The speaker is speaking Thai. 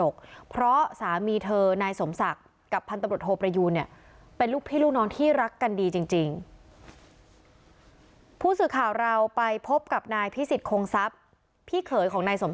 ก็มีธรรมคะเคยของนายสมศักดิ์เนี่ยค่ะ